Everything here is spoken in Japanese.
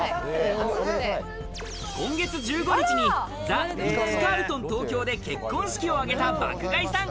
今月１５日にザ・リッツ・カールトン東京で結婚式を挙げた、爆買いさん。